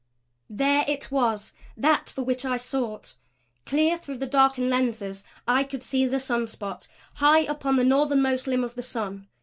There it was that for which I sought. Clear through the darkened lenses I could see the sun spot, high up on the northern most limb of the sun.